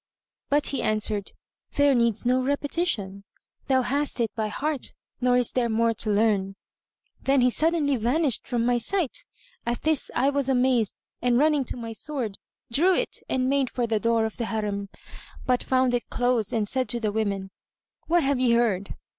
But he answered, "There needs no repetition; thou hast it by heart nor is there more to learn." Then he suddenly vanished from my sight. At this I was amazed and running to my sword drew it and made for the door of the Harim, but found it closed and said to the women, "What have ye heard?"